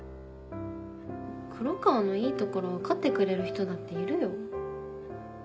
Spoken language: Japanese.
黒川のいいところ分かってくれる人だっているよ。